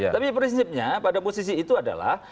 tapi prinsipnya pada posisi itu adalah